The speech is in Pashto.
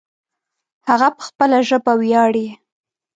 هغه په خپله ژبه ویاړې